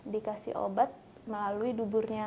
dikasih obat melalui duburnya